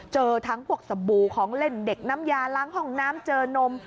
เจอทั้งพวกสบู่ของเล่นเด็กน้ำยาล้างห้องน้ำเจอนม